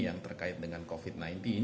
yang terkait dengan covid sembilan belas